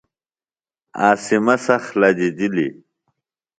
عاصمہ سخت لجِجلیۡ۔